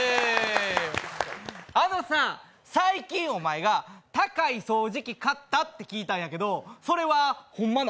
あのさ、最近、お前が高い掃除機買ったって聞いたんやけど、それはホンマなの？